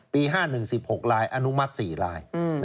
๕๑๑๖ลายอนุมัติ๔ลาย